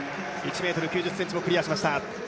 １ｍ９０ｃｍもクリアしました。